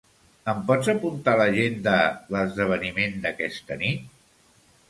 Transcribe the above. Em pots apuntar a l'agenda l'esdeveniment d'aquesta nit?